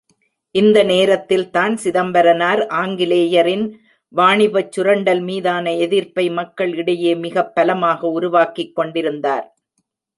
இந்த நேரத்தில்தான் சிதம்பரனார் ஆங்கிலேயரின் வாணிபச்சுரண்டல் மீதான் எதிர்ப்பை மக்கள் இடையே மிகப் பலமாக உருவாக்கிக் கொண்டிருந்தார்.